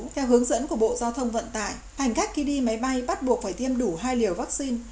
theo hướng dẫn của bộ giao thông vận tải hành khách khi đi máy bay bắt buộc phải tiêm đủ hai liều vaccine